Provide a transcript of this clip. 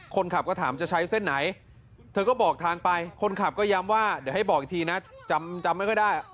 คนขับก็ถามจะใช้เส้นไหนเธอก็บอกทางไปคนขับก็ย้ำว่าเดี๋ยวให้บอกอีกทีนะจำไม่ค่อยได้